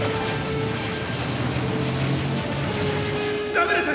「ダメです。